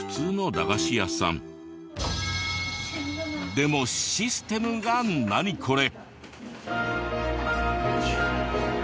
でもシステムがナニコレ？